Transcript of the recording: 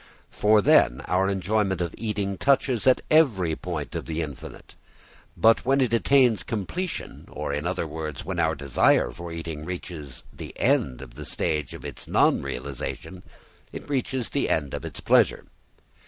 For then our enjoyment of eating touches at every point the infinite. But, when it attains completion, or in other words, when our desire for eating reaches the end of the stage of its non realisation, it reaches the end of its pleasure.